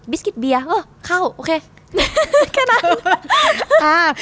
บิสกิตเบียเออเข้าโอเคแค่นั้น